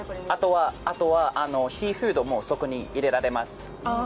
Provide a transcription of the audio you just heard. あとは、シーフードもそこに入れられます。